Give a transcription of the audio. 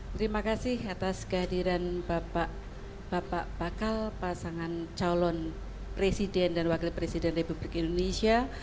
terima kasih atas kehadiran bapak bakal pasangan calon presiden dan wakil presiden republik indonesia